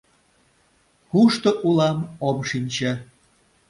Кушто улам — ом шинче.